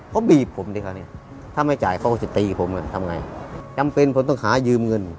เขาบีบผมดิคราวนี้ถ้าไม่จ่ายเขาก็จะตีผมกันทำไงจำเป็นผมต้องหายืมเงิน